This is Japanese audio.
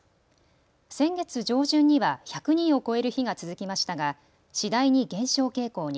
先月上旬には１００人を超える日が続きましたが次第に減少傾向に。